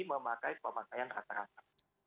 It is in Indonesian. memakai pemakaian rata rata